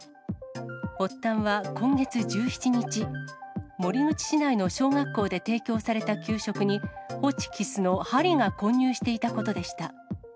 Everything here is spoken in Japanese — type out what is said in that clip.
発端は今月１７日、守口市内の小学校で提供された給食に、ホチキスの針が混入していたことでした。